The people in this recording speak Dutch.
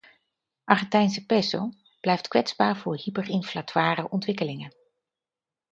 Argentijnse peso blijft kwetsbaar voor hyperinflatoire ontwikkelingen.